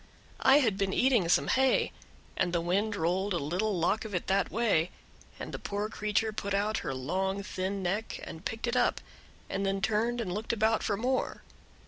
I had been eating some hay, and the wind rolled a little lock of it that way, and the poor creature put out her long thin neck and picked it up, and then turned and looked about for more.